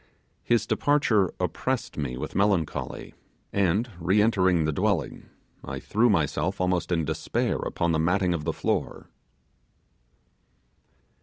His departure oppressed me with melancholy, and, re entering the dwelling, I threw myself almost in despair upon the matting of the floor.